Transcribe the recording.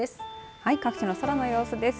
はい、各地の空の様子です。